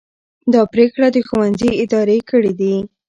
دا پرېکړه د ښوونځي ادارې کړې ده.